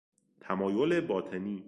تمایل باطنی